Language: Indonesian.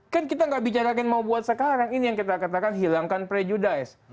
kan kita nggak bicarakan mau buat sekarang ini yang kita katakan hilangkan prejudice